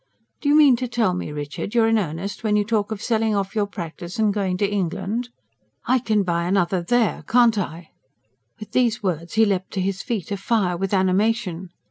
"Do you mean to tell me, Richard, you're in earnest, when you talk of selling off your practice and going to England?" "I can buy another there, can't I?" With these words he leapt to his feet, afire with animation.